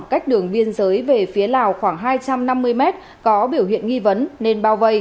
cách đường biên giới về phía lào khoảng hai trăm năm mươi mét có biểu hiện nghi vấn nên bao vây